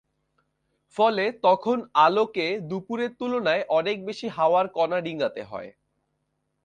ফলে তখন আলোকে দুপুরের তুলনায় অনেক বেশি হাওয়ার কণা ডিঙাতে হয়।